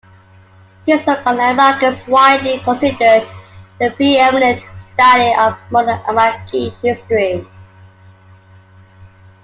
His work on Iraq is widely considered the pre-eminent study of modern Iraqi history.